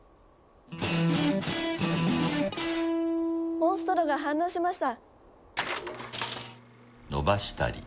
モンストロが反応しました。